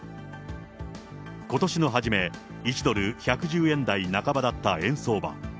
ことしの初め、１ドル１１０円台半ばだった円相場。